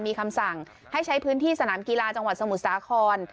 มีคำสั่งให้ใช้พื้นที่สนามกีฬาจังหวัดสมุทรสาคร